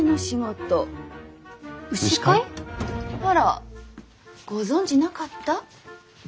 牛飼い？あらご存じなかった？